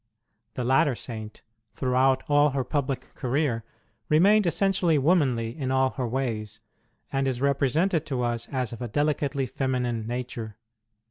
The latter Saint, throughout all her public career, remained essentially womanly in all her ways, and is represented to us as of a delicately feminine nature.